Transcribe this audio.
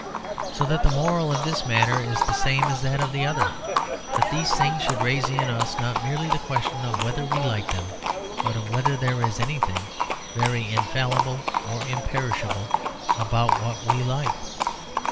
So that the moral of this matter is the same as that of the other; that these things should raise in us, not merely the question of whether we like them, but of whether there is anything very infallible or imperishable about what we like.